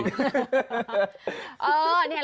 เออเนี่ยเราก็ต้องซื้อทองไปบ้างถูกต้องไหมคะ